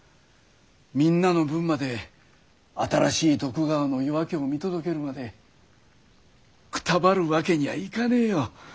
みんなの分まで新しい徳川の夜明けを見届けるまでくたばるわけにはいかねえよ。